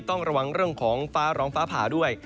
ต้องระวังเรื่องของฟ้าร้องฟ้าผ่าด้วย